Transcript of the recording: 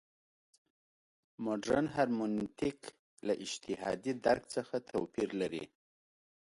مډرن هرمنوتیک له اجتهادي درک څخه توپیر لري.